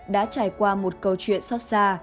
đã trải qua một câu chuyện xót xa